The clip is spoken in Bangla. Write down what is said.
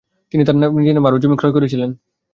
তিনি তার নিজের নামে আরও জমি ক্রয় করেছিলেন।